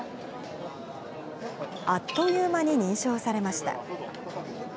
あっという間に認証されました。